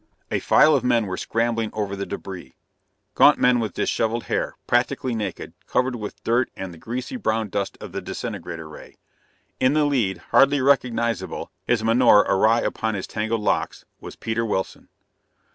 A file of men were scrambling over the debris; gaunt men with dishevelled hair, practically naked, covered with dirt and the greasy brown dust of the disintegrator ray. In the lead, hardly recognizable, his menore awry upon his tangled locks, was Peter Wilson.